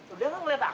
udah kan ngeliat aku